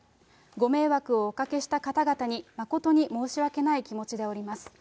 ご迷惑をおかけした方々に誠に申し訳ない気持ちでおります。